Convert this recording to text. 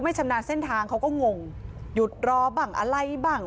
ชำนาญเส้นทางเขาก็งงหยุดรอบ้างอะไรบ้าง